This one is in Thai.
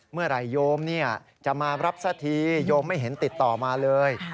โยมจะมารับสักทีโยมไม่เห็นติดต่อมาเลย